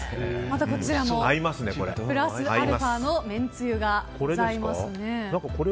またこちらもプラスアルファの麺つゆがございますね。